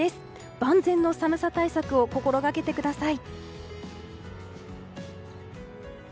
万全の寒さ対策を心掛けてください。